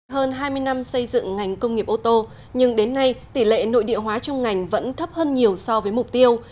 hơn hai mươi năm xây dựng ngành công nghiệp ô tô nhưng đến nay tỷ lệ nội địa hóa trong ngành vẫn thấp hơn nhiều so với mục tiêu